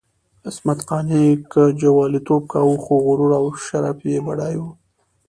عصمت قانع که جواليتوب کاوه، خو غرور او شرف یې بډای وو.